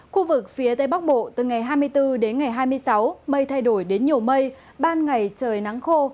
khu vực phía tây bắc bộ từ ngày hai mươi bốn đến ngày hai mươi sáu mây thay đổi đến nhiều mây ban ngày trời nắng khô